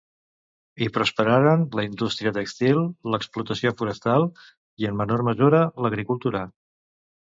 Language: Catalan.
Hi prosperaren la indústria tèxtil, l'explotació forestal i, en menor mesura, l'agricultura.